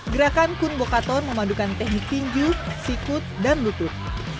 gerakan kun bokator memadukan teknik pinju sikut dan lutut